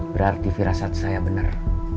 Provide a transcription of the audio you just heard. berarti firasat saya benar